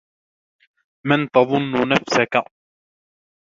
من تظن نفسك ؟